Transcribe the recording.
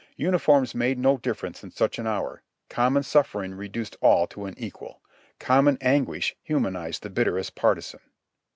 Uniforms made no difference in such an hour ; common suffering reduced all to an equal ; common anguish humanized the bitterest partisan.